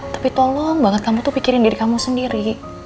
tapi tolong banget kamu tuh pikirin diri kamu sendiri